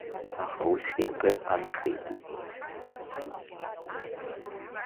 Аха усгьы акыр амҽхеикит.